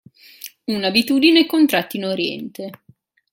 Un'abitudine contratta in Oriente.